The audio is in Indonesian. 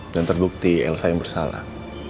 dan terbukti elsa yang bersalah